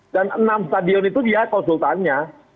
dan enam stadion itu dia konsultannya